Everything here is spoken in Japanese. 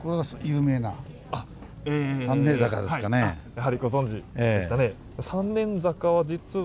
やはりご存じでしたね。